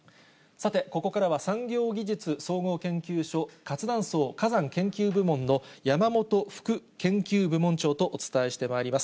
さて、ここからは産業技術総合研究所活断層火山研究部門の山元副研究部門長とお伝えしてまいります。